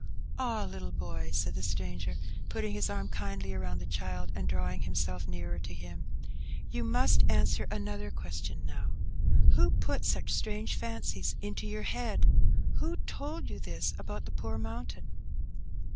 "Ah, little boy," said the stranger, putting his arm kindly around the child, and drawing himself nearer to him. "You must answer another question now. Who put such strange fancies into your heard? Who told you this about the poor mountain?"